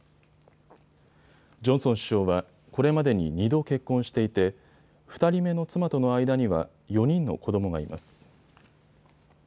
ジョンソン首相はこれまでに２度結婚していて、２人目の妻との間には４人の子どもがいます。